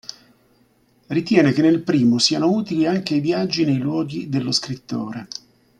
Ritiene che nel primo siano utili anche i viaggi nei luoghi dello scrittore.